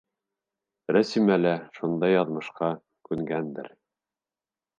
Рәсимә лә шундай яҙмышҡа күнгәндер.